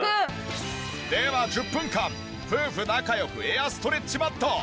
では１０分間夫婦仲良くエアストレッチマット！